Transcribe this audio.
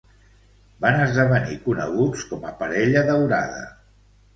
Van esdevenir coneguts com a "Parella daurada".